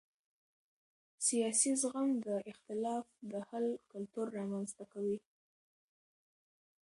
سیاسي زغم د اختلاف د حل کلتور رامنځته کوي